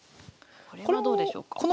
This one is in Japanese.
これはどうでしょうか？